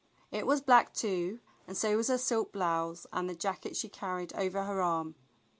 It was black, too, and so was her silk blouse and the jacket she carried over her arm.